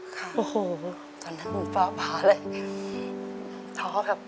ค่ะจากนั้นมันฟาเลยโทษครับ